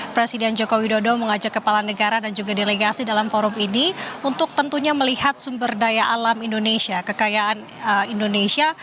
presiden joko widodo mengajak kepala negara dan juga delegasi dalam forum ini untuk tentunya melihat sumber daya alam indonesia kekayaan indonesia